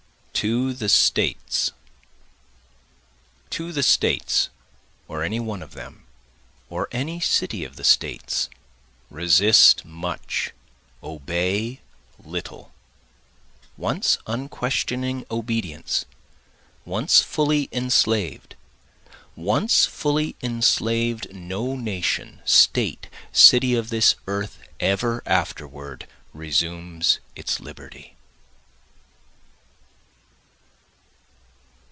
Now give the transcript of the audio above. To the States To the States or any one of them, or any city of the States, Resist much, obey little, Once unquestioning obedience, once fully enslaved, Once fully enslaved, no nation, state, city of this earth, ever afterward resumes its liberty.